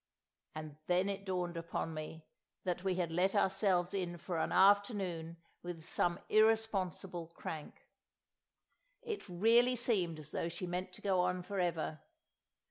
And then it dawned upon me that we had let ourselves in for an afternoon with some irresponsible crank. It really seemed as though she meant to go on for ever.